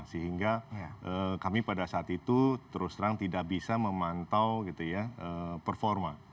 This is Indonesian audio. sehingga kami pada saat itu terus terang tidak bisa memantau performa